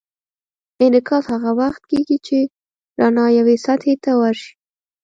انعکاس هغه وخت کېږي چې رڼا یوې سطحې ته ورشي.